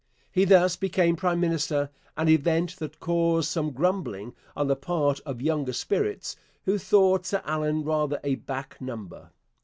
He thus became prime minister, an event that caused some grumbling on the part of younger spirits who thought Sir Allan rather a 'back number.'